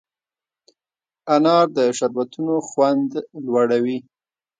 انار د شربتونو خوند لوړوي.